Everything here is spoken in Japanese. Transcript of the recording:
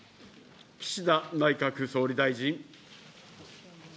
岸田内閣総理大臣。